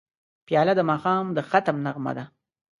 پیاله د ماښام د ختم نغمه ده.